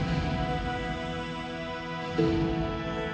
ki nanti minta izin buat pergi